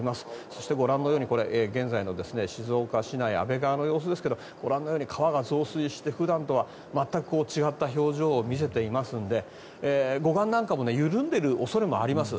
そして、ご覧のように現在の静岡市内安倍川の様子ですがご覧のように川が増水して普段とは全く違う表情を見せていますので護岸なんかも緩んでる恐れもあります。